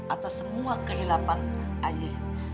atas semua kehilapan haji